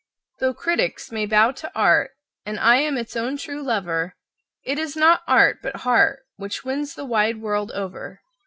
Though critics may bow to art, and I am its own true lover, It is not art, but heart, which wins the wide world over.